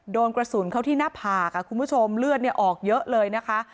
โดนกระสุนเข้าที่หน้าผากคุณผู้ชมเลือดออกเยอะเลยนะคะ